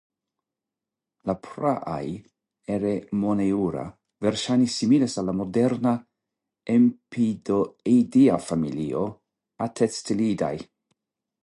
La praaj "Eremoneura" verŝajne similis al la moderna empidoidea familio "Atelestidae".